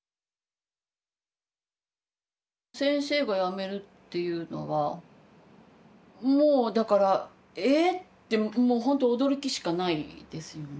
先生が辞めるっていうのはもうだから「ええ⁉」ってもうほんと驚きしかないですよね。